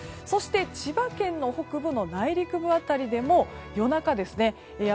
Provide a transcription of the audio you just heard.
そして、千葉県北部の内陸部辺りでも夜中ですね